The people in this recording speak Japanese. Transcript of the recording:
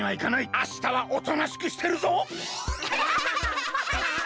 あしたはおとなしくしてるぞ！